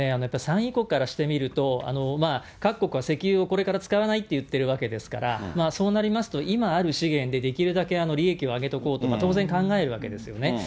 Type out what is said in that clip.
やっぱり産油国からしてみると、各国は石油をこれから使わないって言ってるわけですから、そうなりますと、今ある資源でできるだけ利益を上げておこうとか、当然考えるわけですよね。